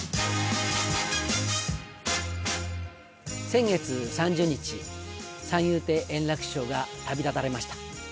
先月３０日、三遊亭円楽師匠が旅立たれました。